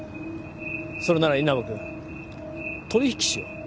それなら稲葉君取引しよう。